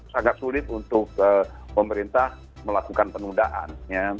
sangat sulit untuk pemerintah melakukan penundaan